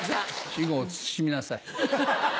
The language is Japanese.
私語を慎みなさい。